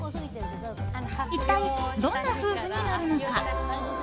一体どんな夫婦になるのか？